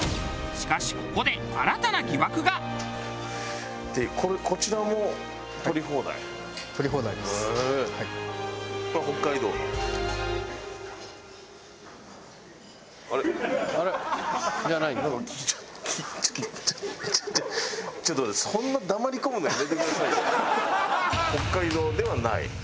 しかし北海道ではない？